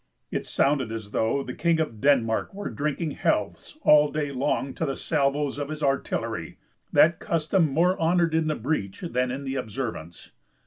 It sounded as though the King of Denmark were drinking healths all day long to the salvoes of his artillery that custom "more honored in the breach than in the observance."